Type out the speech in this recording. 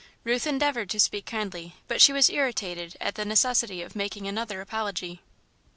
Ruth endeavoured to speak kindly, but she was irritated at the necessity of making another apology.